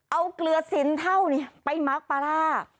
เอาเกลือสินเท่านี้ไปมักปลาร่า